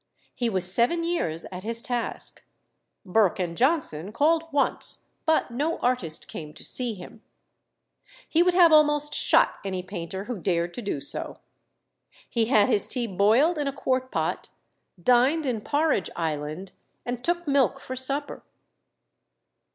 He was seven years at his task. Burke and Johnson called once; but no artist came to see him. He would have almost shot any painter who dared to do so. He had his tea boiled in a quart pot, dined in Porridge Island, and took milk for supper.